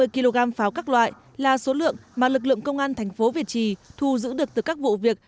ba mươi kg pháo các loại là số lượng mà lực lượng công an thành phố việt trì thu giữ được từ các vụ việc